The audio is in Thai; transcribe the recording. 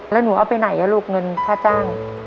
แล้วหนูเอาไปไหนลูกเงินค่าจ้าง